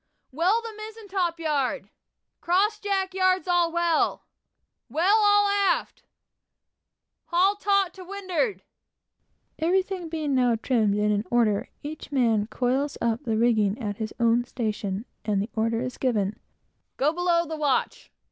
"Well the mizen top gallant yard!" "Cross jack yards all well!" "Well all aft!" "Haul taut to windward!" Everything being now trimmed and in order, each man coils up the rigging at his own station, and the order is given "Go below the watch!"